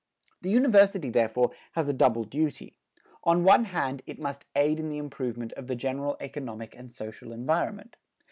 The University, therefore, has a double duty. On the one hand it must aid in the improvement of the general economic and social environment.